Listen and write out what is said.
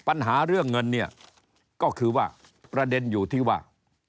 ปัญหาเรื่องเงินเนี่ยก็คือว่าประเด็นอยู่ที่ว่า